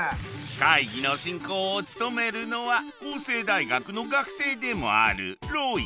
会議の進行を務めるのは法政大学の学生でもあるロイ！